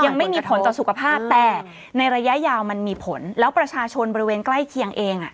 นิดหน่อยผลกระทบแต่ในระยะยาวมันมีผลแล้วประชาชนบริเวณใกล้เคียงเอง